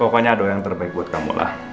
pokoknya doa yang terbaik buat kamu lah